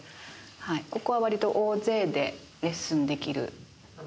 ここは割と大勢でレッスンできるお部屋です。